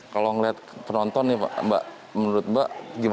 kalau melihat penonton menurut mbak